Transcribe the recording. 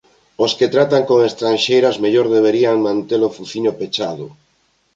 Os que tratan con extranxeiras mellor deberían mante-lo fuciño pechado.